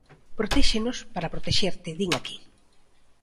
Protexémonos para protexerte din aquí.